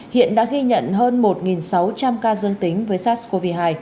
hiện đã ghi nhận hơn một sáu trăm linh ca dương tính với sars cov hai